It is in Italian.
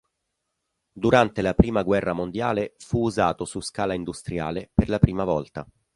Durante la prima guerra mondiale fu usato su scala industriale per la prima volta.